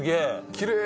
きれい！